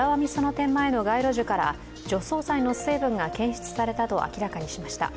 店前の街路樹から除草剤の成分が検出されたと明らかしました。